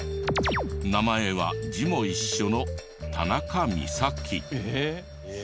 名前は字も一緒の田中美咲。